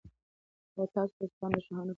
تاسو د صفوي شاهانو په اړه څه معلومات لرئ؟